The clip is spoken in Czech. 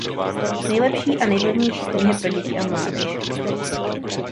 Nejlepší a nejvlivnější knihy pro děti a mládež.